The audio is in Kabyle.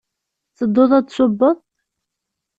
Tettedduḍ ad d-tṣubbeḍ?